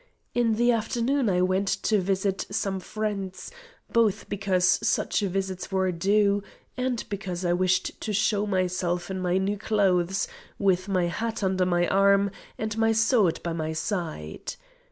In the afternoon I went to visit some friends, both because such visits were due, and because I wished to show myself in my new clothes, with my hat under my arm and my sword by my side.